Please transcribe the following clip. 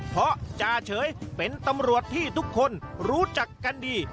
เพราะจ่าเฉยเป็นตำรวจที่ทุกคนรู้จักกันดี